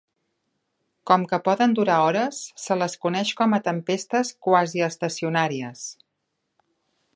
Com que poden durar hores, se les coneix com a tempestes quasiestacionàries.